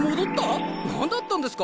何だったんですか？